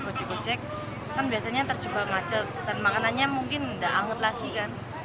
gojek gojek kan biasanya terjebak macet dan makanannya mungkin tidak anggut lagi kan